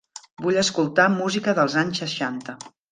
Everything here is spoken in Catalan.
Vull escoltar música dels anys seixanta.